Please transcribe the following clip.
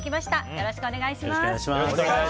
よろしくお願いします。